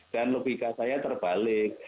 dan logika saya terbalik